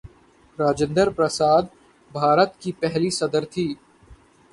راجندرہ پرساد بھارت کے پہلے صدر تھے.